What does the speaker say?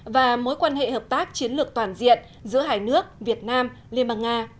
và mối quan hệ hợp tác chiến lược toàn diện giữa hai nước việt nam liên bang nga